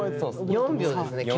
４秒ですね計。